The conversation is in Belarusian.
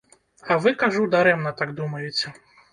А вы, кажу, дарэмна так думаеце.